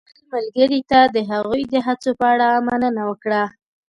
خپل ملګري ته د هغوی د هڅو په اړه مننه وکړه.